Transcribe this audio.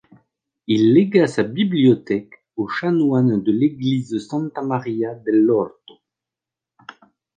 Il légua sa bibliothèque aux chanoines de l’Église Santa Maria dell'Orto.